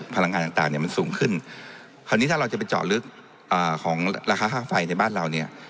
พลังงานต่างเนี่ยมันสูงขึ้นคราวนี้ถ้าเราจะไปเจาะลึกของราคาค่าไฟในบ้านเราเนี่ย